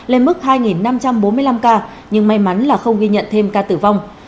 lên mức hai năm trăm bốn mươi năm ca nhưng may mắn là không ghi nhận thêm ca tử vong